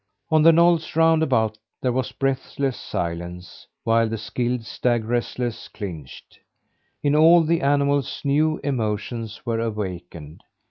On the knolls round about there was breathless silence while the skilled stag wrestlers clinched. In all the animals new emotions were awakened.